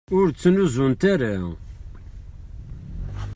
Ur ttneẓnuẓet ara.